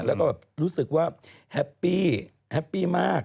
แล้วก็แบบรู้สึกว่าแฮปปี้แฮปปี้มาก